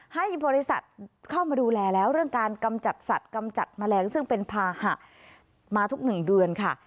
ให้บริษัทเข้ามาดูแลแล้วเรื่องการกำจัดสัตว์กำจัดแมลงซึ่งเป็นภาหะมาทุก๑เดือนค่ะ